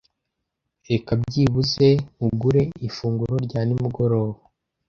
Reka byibuze nkugure ifunguro rya nimugoroba.